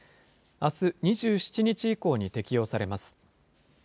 あす２７日以降に適用されます。